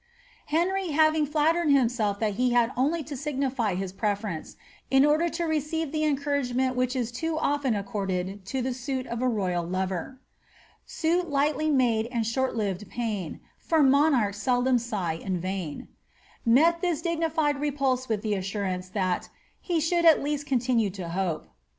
^ Henry having flattered himself that he had only to signify his prefer ence, in order to receive the encouragement which is too ofVen accorded to the suit of a royal lover: —Suit lightly made and short lived pain, For monarchs seldom sigh in vain," met this dignified repulse with the assurance, that ^ he should at lea^^ continue to hope.''